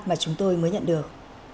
mà chúng tôi mới nhận được